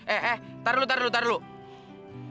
eh eh taruh taruh taruh